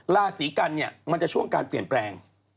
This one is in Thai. ราศีกันเนี่ยมันจะช่วงการเปลี่ยนแปลง